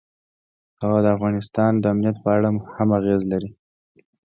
هوا د افغانستان د امنیت په اړه هم اغېز لري.